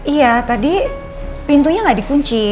iya tadi pintunya gak dikunci